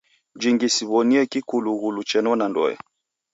Jingi siw'onie kikulughulu chenona ndoe.